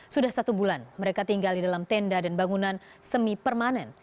sudah satu bulan mereka tinggal di dalam tenda dan bangunan semi permanen